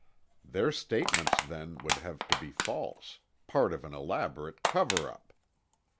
Their statements, then, would have to be false—part of an elaborate cover up.